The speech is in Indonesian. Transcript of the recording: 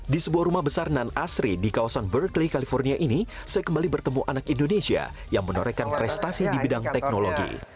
di sebuah rumah besar nan asri di kawasan berkeley california ini saya kembali bertemu anak indonesia yang menorekan prestasi di bidang teknologi